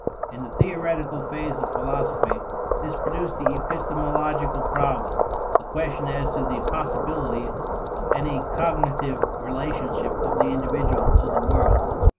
In the theoretical phase of philosophy, this produced the epistemological problem: the question as to the possibility of any cognitive relationship of the individual to the world.